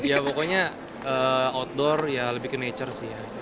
ya pokoknya outdoor ya lebih ke nature sih ya